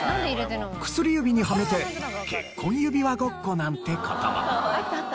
薬指にはめて結婚指輪ごっこなんて事も。